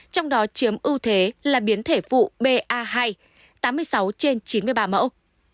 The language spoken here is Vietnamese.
trong đó chiếm ưu thế là biến thể vụ ba hai tám mươi sáu trên chín mươi ba mẫu